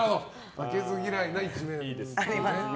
負けず嫌いな一面と。